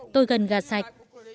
tôi gần gà sạch